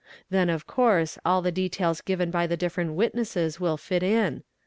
Then of course all the details given by © the different witnesses will fit in.